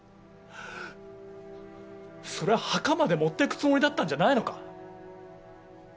それは墓まで持ってくつもりだったんじゃないのか？